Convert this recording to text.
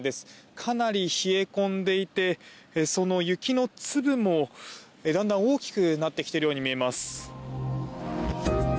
かなり冷え込んでいて雪の粒も、だんだん大きくなってきているように見えます。